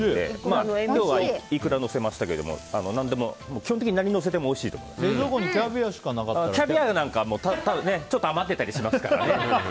今日はイクラのせましたけど基本的に何のせても冷蔵庫にキャビアなんかはちょっと余ってたりしますからね